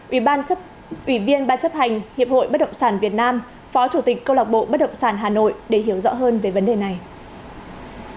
ủy ban chấp hành hiệp hội bất động sản việt nam phó chủ tịch câu lạc bộ bất động sản hà nội để hiểu rõ hơn về vấn đề này